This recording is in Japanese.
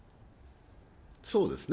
そうですね。